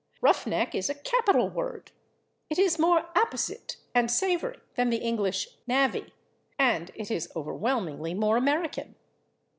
/Rough neck/ is a capital word; it is more apposite and savory than the English /navvy/, and it is overwhelmingly more American.